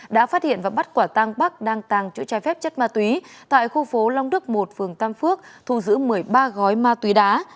đã phát hiện và bắt quả tăng bắc đang tàng trữ trái phép chất ma túy tại khu phố long đức một phường tam phước thu giữ một mươi ba gói ma túy đá